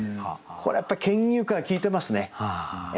これやっぱり「牽牛花」が効いてますね。